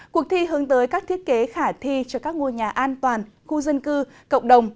cuộc thi hướng tới các thiết kế khả thi cho các ngôi nhà an toàn khu dân cư cộng đồng